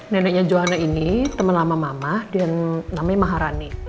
neneknya joana ini temen lama mama dan namanya maharani